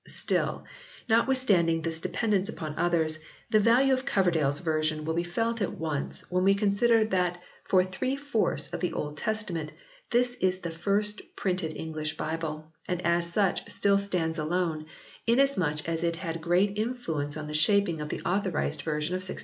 Still, notwithstanding this dependence upon others, the value of Coverdale s version will be felt at once when we consider that for three fourths of the Old Testament this is the first printed English Bible, and as such still stands alone, inasmuch as it had great influence in the shaping of the Authorised Version of 1611.